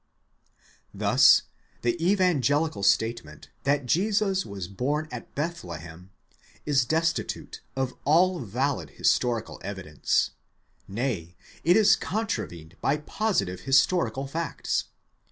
'Thus the evangelical statement that Jesus was born at Bethlehem is desti tute of all valid historical evidence ; nay, it is contravened by positive his torical facts.